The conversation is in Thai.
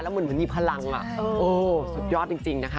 แล้วเหมือนมันมีพลังสุดยอดจริงนะคะ